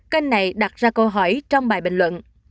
kênh này đặt ra câu hỏi trong bài bình luận